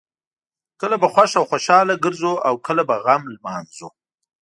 کله به خوښ او خوشحاله ګرځو او کله به غم لمانځو.